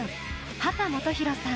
秦基博さん